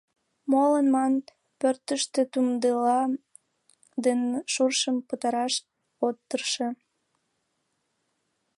— Молан, ман, пӧртыштет умдыла ден шуршым пытараш от тырше?